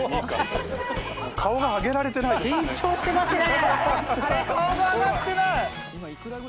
緊張してますね！